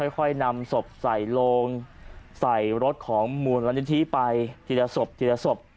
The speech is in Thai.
ค่อยนำศพใส่โลงใส่รถของมูลนิธิไปทีละศพทีละศพ